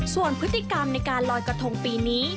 ส่วนพฤติกรรมในการลอยกระทงปีนี้